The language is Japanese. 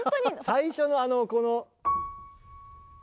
最初のあのこの。